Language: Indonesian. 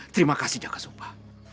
terima kasih jaka supa